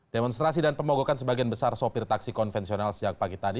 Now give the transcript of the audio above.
demonstrasi dan pemogokan sebagian besar sopir taksi konvensional sejak pagi tadi